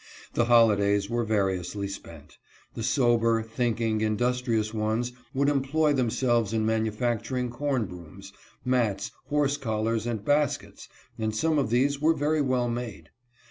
The holidays were variously spent. The sober, thinking, industrious ones would employ themselves in manufac turing corn brooms, mats, horse collars, and baskets, and some of these were very well made.